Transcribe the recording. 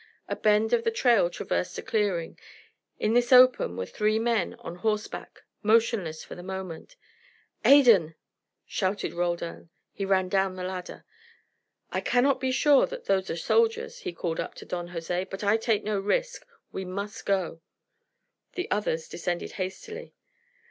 A bend of the trail traversed a clearing. In this open were three men on horseback, motionless for the moment. "Adan!" shouted Roldan. He ran down the ladder. "I cannot be sure that those are the soldiers," he called up to Don Jose. "But I take no risks. We must go." The others descended hastily.